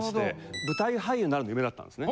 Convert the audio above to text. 舞台俳優になるのが夢だったんですね。